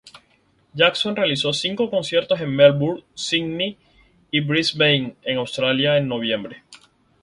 Jackson realizó cinco conciertos en Melbourne, Sydney y Brisbane en Australia en noviembre.